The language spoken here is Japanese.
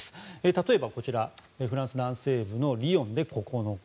例えばフランス南西部のリヨンで９日